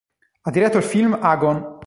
Ha diretto il film "Agon".